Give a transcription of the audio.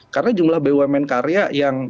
karena jumlah bumn karya yang